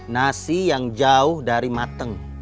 nasi yang jauh dari mateng